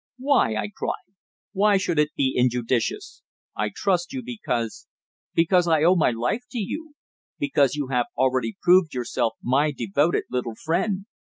"Why?" I cried. "Why should it be injudicious? I trust you, because because I owe my life to you because you have already proved yourself my devoted little friend.